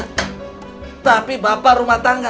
kita ini bukan pemimpin rumah tangga